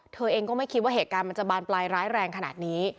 เธอเองก็ไม่คิดว่าเหตุการณ์มันจะบานปลายร้ายแรงขนาดนี้